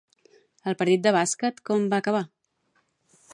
El partit de bàsquet com va acabar?